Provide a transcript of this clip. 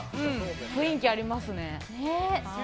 雰囲気ありますね。